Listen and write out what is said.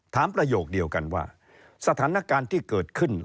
ประโยคเดียวกันว่าสถานการณ์ที่เกิดขึ้น